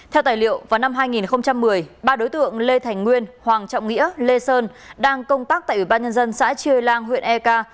theo tài liệu vào năm hai nghìn một mươi ba đối tượng lê thành nguyên hoàng trọng nghĩa lê sơn đang công tác tại ủy ban nhân dân xã chư lang huyện eka